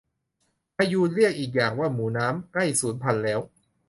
พะยูน เรียกอีกอย่างว่าหมูน้ำ ใกล้สูญพันธุ์แล้ว